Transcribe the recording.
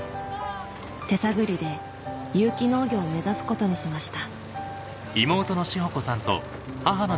手探りで有機農業を目指すことにしました